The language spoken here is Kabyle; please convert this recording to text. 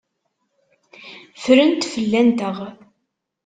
Ffrent fell-anteɣ.